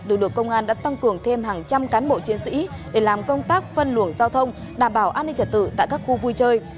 đội lực công an đã tăng cường thêm hàng trăm cán bộ chiến sĩ để làm công tác phân luồng giao thông đảm bảo an ninh trả tử tại các khu vui chơi